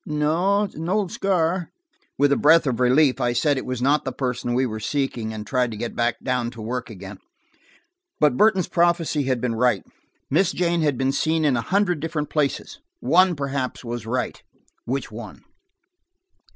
"No, an old scar." With a breath of relief I said it was not the person we were seeking and tried to get down to work again. But Burton's prophecy had been right. Miss Jane had been seen in a hundred different places: one perhaps was right; which one